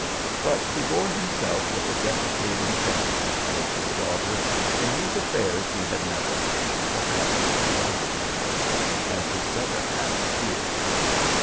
But he bore himself with a deprecating tenderness towards his daughter, in whose affairs he had meddled, perhaps disastrously, as his better half feared.